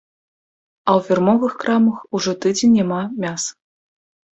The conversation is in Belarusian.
А ў фірмовых крамах ужо тыдзень няма мяса.